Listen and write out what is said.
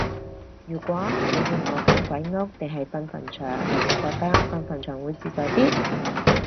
如果你要我揀鬼屋定係瞓墳場，我覺得瞓墳場會自在啲